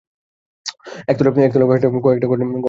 একতলার কয়েকটা ঘর নিয়ে তুমি থাক।